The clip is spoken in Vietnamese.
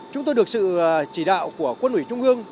chúng tôi được sự chỉ đạo của quân ủy trung ương